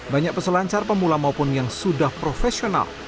banyak peselancar pemula maupun yang sudah profesional